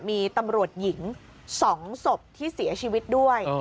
มีตำรวจหญิง๒ศพที่เสียชีวิตด้วย